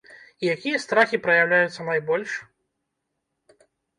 І якія страхі праяўляюцца найбольш?